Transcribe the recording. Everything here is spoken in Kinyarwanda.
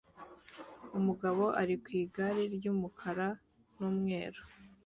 Umugabo ari ku igare ry'umukara n'umweru